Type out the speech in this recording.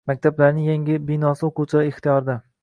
Maktablarning yangi binosi o‘quvchilar ixtiyorida